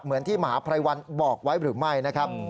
เหมือนที่มหาภัยวันบอกไว้หรือไม่นะครับ